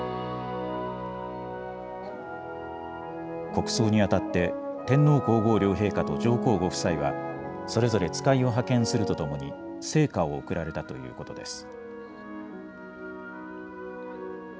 国葬にあたって、天皇皇后両陛下と上皇ご夫妻は、それぞれ使いを派遣するとともに、生花を贈られたということです。